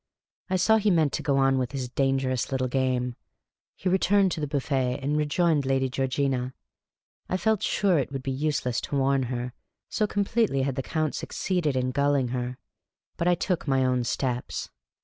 I saw he meant to go on with his dangerous little game. He returned to the buffet and rejoined Lady Georgina. I felt sure it would be useless to warn her, so completely had the Count succeeded in gulling her ; but I took my own steps.